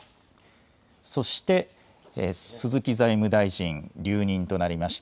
そして鈴木財務大臣、留任となりました。